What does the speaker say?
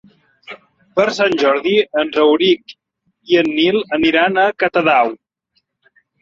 Per Sant Jordi en Rauric i en Nil aniran a Catadau.